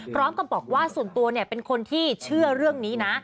พร้อมกับบอกว่าส่วนตัวเป็นคนที่เชื่อเรื่องนี้นะ